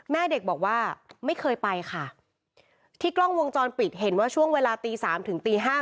แม่เด็กบอกว่าไม่เคยไปค่ะที่กล้องวงจรปิดเห็นว่าช่วงเวลาตีสามถึงตีห้า